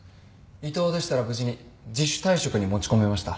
伊藤でしたら無事に自主退職に持ち込めました。